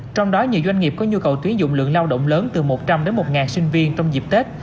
trong đó nhiều doanh nghiệp có nhu cầu tuyến dụng lượng lao động lớn từ một trăm linh đến một sinh viên trong dịp tết